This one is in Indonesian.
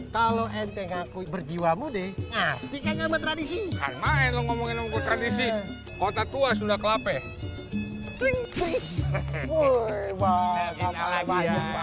kalau enteng aku berjiwa mudik tradisi kota tua sudah kelapai